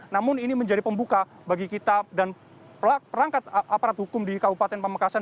namun ini menjadi pembuka bagi kita dan perangkat aparat hukum di kabupaten pamekasan